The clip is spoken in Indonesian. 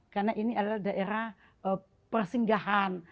karena ini adalah daerah persinggahan